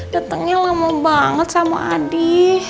datangnya lama banget sama adi